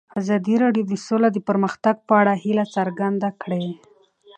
ازادي راډیو د سوله د پرمختګ په اړه هیله څرګنده کړې.